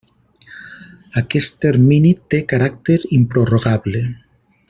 Aquest termini té caràcter improrrogable.